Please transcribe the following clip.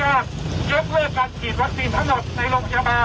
เยอะเพื่อการผิดวัตถีมถนนในโรงพยาบาล